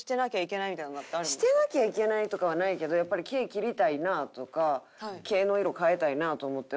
してなきゃいけないとかはないけどやっぱり毛切りたいなとか毛の色変えたいなと思っても。